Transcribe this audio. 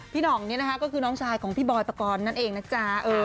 หน่องนี่นะคะก็คือน้องชายของพี่บอยปกรณ์นั่นเองนะจ๊ะ